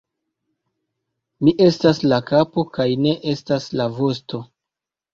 Mi estas la kapo, kaj ne estas la vosto!